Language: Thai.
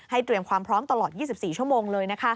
เตรียมความพร้อมตลอด๒๔ชั่วโมงเลย